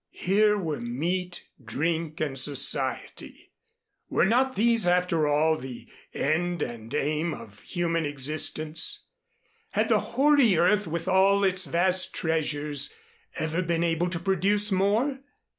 Here were meat, drink and society. Were not these, after all, the end and aim of human existence? Had the hoary earth with all its vast treasures ever been able to produce more?